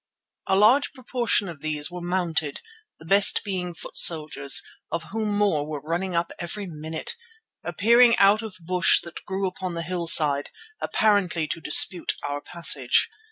A large proportion of these were mounted, the best being foot soldiers, of whom more were running up every minute, appearing out of bush that grew upon the hill side, apparently to dispute our passage.